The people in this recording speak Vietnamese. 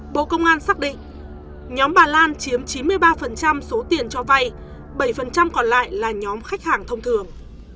bộ công an xác định nhóm bà lan chiếm chín mươi ba số tiền cho vay bảy còn lại là nhóm khách hàng thông thường